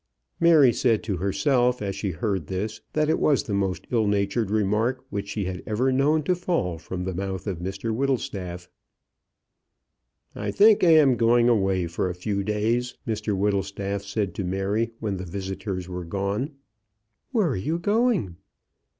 Mary said to herself, as she heard this, that it was the most ill natured remark which she had ever known to fall from the mouth of Mr Whittlestaff. "I think I am going away for a few days," Mr Whittlestaff said to Mary, when the visitors were gone. "Where are you going?"